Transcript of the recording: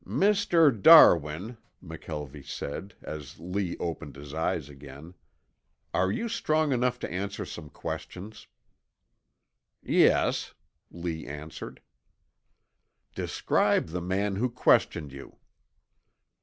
"Mr. Darwin," McKelvie said, as Lee opened his eyes again, "are you strong enough to answer some questions?" "Yes," Lee answered. "Describe the man who questioned you?"